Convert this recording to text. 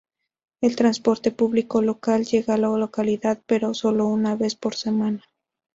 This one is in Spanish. El transporte público local llega a la localidad pero sólo una vez por semana.